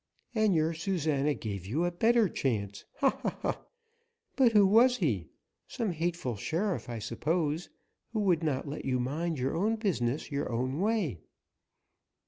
"And your Susana gave you a better chance; ha, ha, ha! But, who was he? Some hateful sheriff, I suppose, who would not let you mind your own business your own way."